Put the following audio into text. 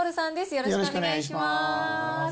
よろしくお願いします。